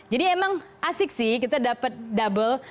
jadi emang asik sih kita dapat double